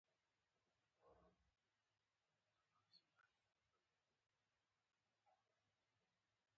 د پکتیا په ځاځي کې څه شی شته؟